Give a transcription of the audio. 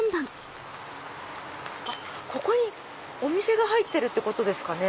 ここにお店が入ってるってことですかね。